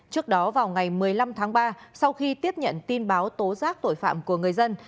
trước đó vào ngày một mươi năm tháng ba sau khi tiếp nhận tin báo tố giác tội phạm của người dân